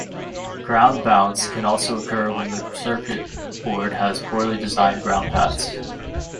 Ground bounce can also occur when the circuit board has poorly designed ground paths.